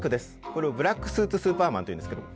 これをブラックスーツスーパーマンというんですけど。